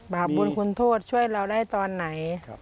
บาปบุญคุณโทษช่วยเราได้ตอนไหน